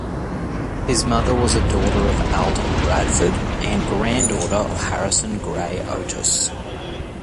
His mother was a daughter of Alden Bradford and granddaughter of Harrison Gray Otis.